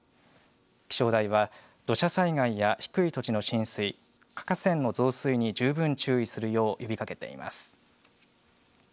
気象台は土砂災害や低い土地の浸水河川の増水に十分注意するよう呼びかけています。